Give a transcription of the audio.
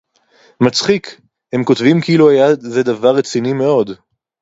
מצחיק, הם כותבים כאילו היה זה דבר רציני מאוד.